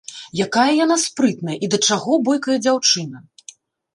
Якая яна спрытная і да чаго бойкая дзяўчына!